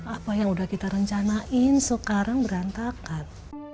apa yang udah kita rencanain sekarang berantakan